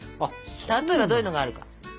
例えばどういうのがあるか。